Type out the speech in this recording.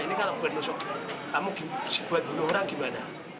ini kalau buat nusuk kamu buat bunuh orang gimana